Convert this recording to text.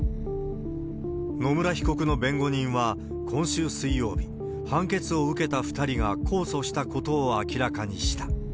野村被告の弁護人は今週水曜日、判決を受けた２人が控訴したことを明らかにした。